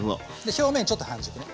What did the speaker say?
表面ちょっと半熟ね。